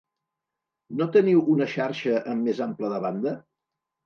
No teniu una xarxa amb més ample de banda?